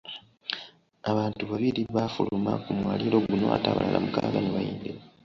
Abantu babiri baafuluma ku mwaliiro guno ate abalala mukaaga ne bayingira.